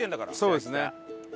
そうですね。